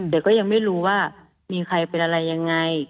แต่ก็ยังไม่รู้ว่ามีใครเป็นอะไรยังไง